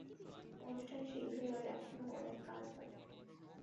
অনুষ্ঠান শীঘ্রই আর এখনো অনেক কাজ বাকি।